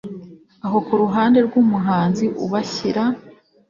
aho, kuruhande rwumuhanzi ubashyira